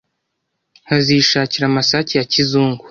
nkazishakira amasake ya kizungu